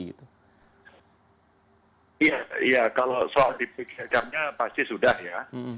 iya kalau soal dipikirkannya pasti sudah ya